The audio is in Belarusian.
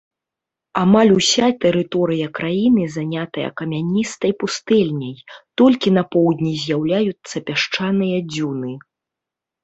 Амаль уся тэрыторыя краіны занятая камяністай пустэльняй, толькі на поўдні з'яўляюцца пясчаныя дзюны.